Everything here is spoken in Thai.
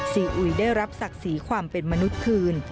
อุ๋ยได้รับศักดิ์ศรีความเป็นมนุษย์คืน